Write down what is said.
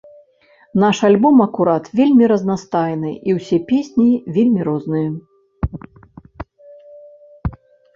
Наш альбом акурат вельмі разнастайны і ўсе песні вельмі розныя.